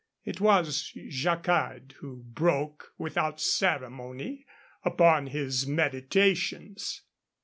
It was Jacquard who broke, without ceremony, upon his meditations.